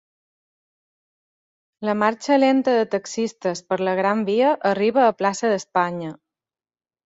La marxa lenta de taxistes per la Gran Via arriba a Plaça d’Espanya.